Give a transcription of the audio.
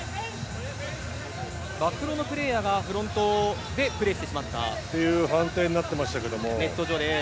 バックのプレーヤーがフロントでプレーしてしまった？という判定になってましたけど。